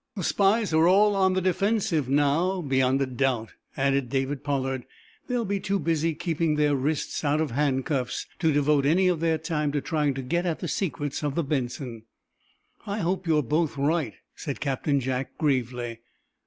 "The spies are all on the defensive, now, beyond a doubt," added David Pollard. "They'll be too busy keeping their wrists out of handcuffs to devote any of their time to trying to get at the secrets of the 'Benson.'" "I hope you're both right," said Captain Jack, gravely.